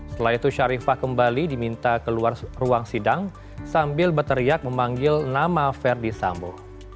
setelah itu sharifah kembali diminta keluar ruang sidang sambil berteriak memanggil nama verdi sambo